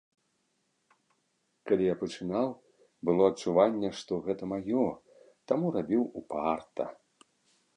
Калі я пачынаў, было адчуванне, што гэта маё, таму рабіў упарта.